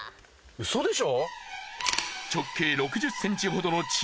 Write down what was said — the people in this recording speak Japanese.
ウソでしょ？